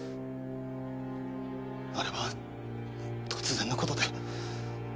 あれは突然の事で。